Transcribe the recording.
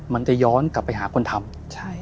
มันจะย้อนกลับไปหาคนทำ